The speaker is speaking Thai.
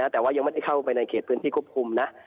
แต่ว่ายังไม่ได้เข้าไปในเขตพื้นที่ควบคุมนะ